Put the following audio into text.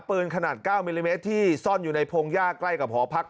ปืนขนาด๙มิลลิเมตรที่ซ่อนอยู่ในพงหญ้าใกล้กับหอพัก